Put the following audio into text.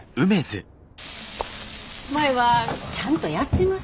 舞はちゃんとやってます？